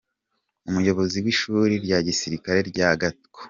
Umuyobozi w’ishuri rya gisirikare rya Gako,